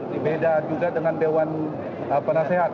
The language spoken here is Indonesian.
dibeda juga dengan dewan penasehat